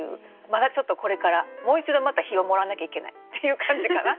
まだちょっとこれからもう一度また火をもらわなきゃいけないっていう感じかな？